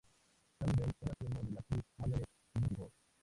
Tony Benn era primo de la actriz Margaret Rutherford.